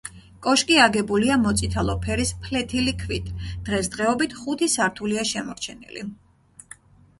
კოშკი აგებულია მოწითალო ფერის ფლეთილი ქვით, დღეს-დღეობით ხუთი სართულია შემორჩენილი.